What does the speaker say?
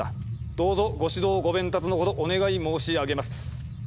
どうぞご指導ご鞭撻のほどお願い申し上げます」。